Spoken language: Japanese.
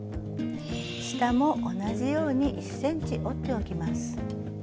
下も同じように１ｃｍ折っておきます。